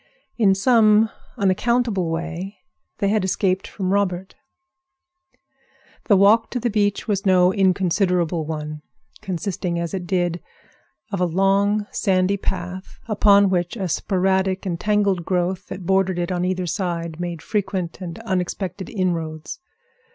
In some unaccountable way they had escaped from Robert. The walk to the beach was no inconsiderable one, consisting as it did of a long, sandy path, upon which a sporadic and tangled growth that bordered it on either side made frequent and unexpected inroads.